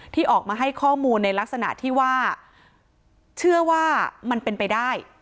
ที่ออกมาให้ข้อมูลในลักษณะที่ว่าเชื่อว่ามันเป็นไปได้